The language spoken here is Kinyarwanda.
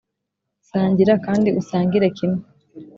sangira kandi usangire kimwe!